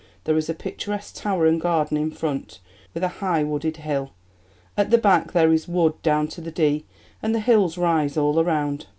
There is a picturesque tower and garden in front, with a high wooded hill; at the back there is wood down to the Dee; and the hills rise all around."